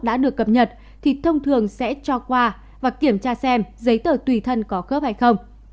đã được cập nhật thì thông thường sẽ cho qua và kiểm tra xem giấy tờ tùy thân có khớp hay không